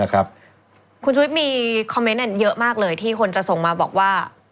คุณชุวิตมีคอมเมนต์เยอะมากเลยที่คนจะส่งมาบอกว่า